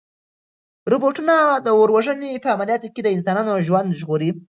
روبوټونه د اور وژنې په عملیاتو کې د انسانانو ژوند ژغوري.